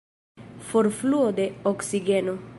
Forfluo de oksigeno.